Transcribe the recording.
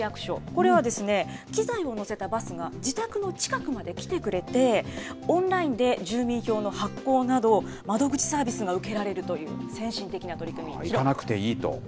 これはですね、機材を載せたバスが自宅の近くまで来てくれて、オンラインで住民票の発行など、窓口サービスが受けられるという、行かなくていいと。